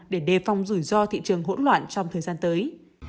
để đề phòng rủi ro thị trường hỗn loạn trong thời gian tới